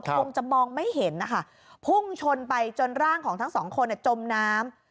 คงจะมองไม่เห็นนะคะพุ่งชนไปจนร่างของทั้งสองคนจมน้ำ